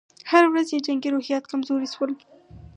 هره ورځ یې جنګي روحیات کمزوري شول.